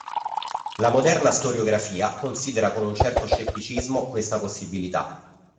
La moderna storiografia considera con un certo scetticismo questa possibilità.